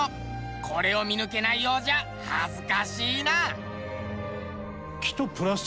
これを見抜けないようじゃ恥ずかしいな！